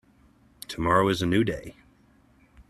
Tomorrow is a new day.